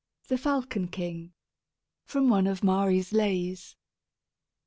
THE FALCON KING. (_From one of Marie's Lays.